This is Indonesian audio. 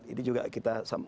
ini juga kita